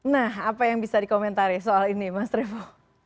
nah apa yang bisa dikomentari soal ini mas revo